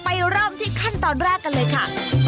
เริ่มที่ขั้นตอนแรกกันเลยค่ะ